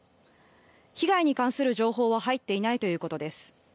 被害に関する情報は入っていないということです。